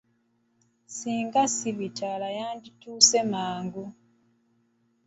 Singa si bitaala yandituuse mangu.